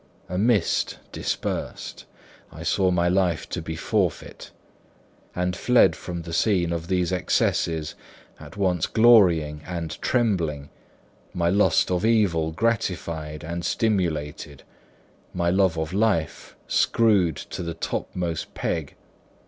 A mist dispersed; I saw my life to be forfeit; and fled from the scene of these excesses, at once glorying and trembling, my lust of evil gratified and stimulated, my love of life screwed to the topmost peg.